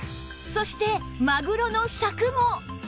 そしてマグロのサクも